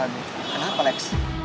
lan lamu ada di dalam yaider